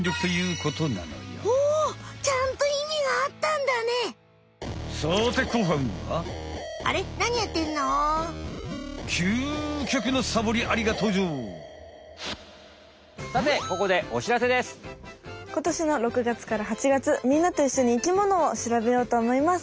ことしの６がつから８がつみんなといっしょに生きものをしらべようと思います。